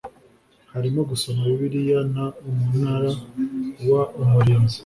harimo gusoma bibiliya n umunara w umurinzi